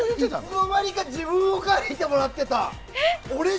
いつの間にか自分を描いてもらってた！